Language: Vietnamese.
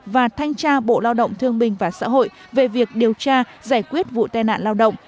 và thanh tra bộ lao động thương minh và xã hội về việc điều tra giải quyết vụ tai nạn lao động